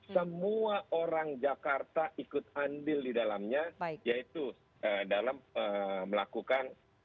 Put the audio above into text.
semua orang jakarta ikut andil di dalamnya yaitu dalam melakukan